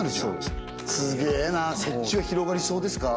すげえなそっちは広がりそうですか？